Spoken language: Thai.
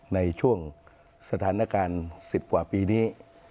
ในช่วงสถานการณ์๑๐กว่าปีนี้